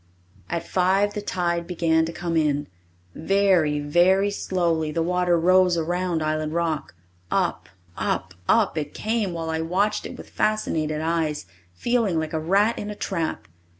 At five the tide began to come in. Very, very slowly the water rose around Island Rock. Up, up, up it came, while I watched it with fascinated eyes, feeling like a rat in a trap.